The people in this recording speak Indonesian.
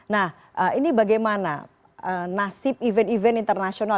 nah ini bagaimana